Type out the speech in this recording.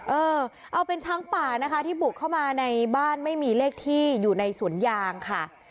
เออเอาเป็นช้างป่านะคะที่บุกเข้ามาในบ้านไม่มีเลขที่อยู่ในสวนยางค่ะ